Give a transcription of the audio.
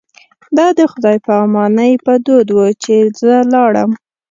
دا د خدای په امانۍ په دود و چې زه لاړم.